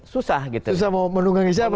susah gitu susah mau menunggangi siapa